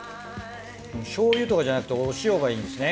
醤油とかじゃなくてお塩がいいんですね